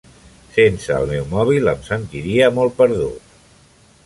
Sense el meu mòbil em sentiria molt perdut